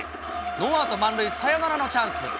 ノーアウト満塁、サヨナラのチャンス。